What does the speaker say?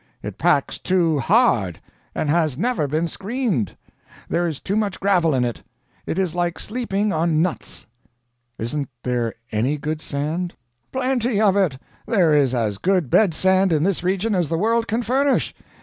It packs too hard, and has never been screened. There is too much gravel in it. It is like sleeping on nuts." "Isn't there any good sand?" "Plenty of it. There is as good bed sand in this region as the world can furnish.